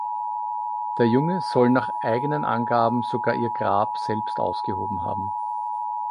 Der Junge soll nach eigenen Angaben sogar ihr Grab selbst ausgehoben haben.